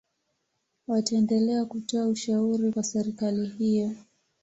wataendelea kutoa ushauri kwa serikali hiyo